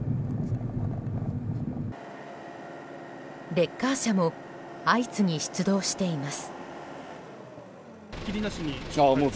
レッカー車も相次ぎ出動しています。